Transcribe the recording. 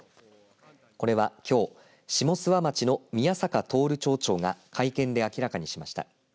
これは、きょう下諏訪町の宮坂徹町長が会見で明らかにしました。